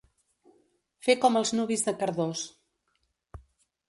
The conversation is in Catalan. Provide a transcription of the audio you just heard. Fer com els nuvis de Cardós.